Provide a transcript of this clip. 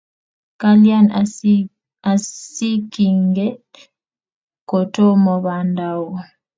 Kalyan asikinget ko tomo banda ooh